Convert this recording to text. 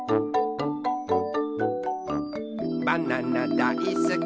「バナナだいすき